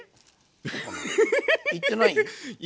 行ってない？